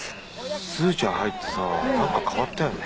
すずちゃん入ってさ何か変わったよね。